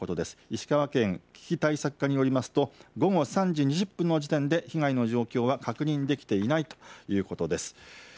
石川県危機対策課によりますと午後３時２０分の時点で被害の状況は確認できていないということです。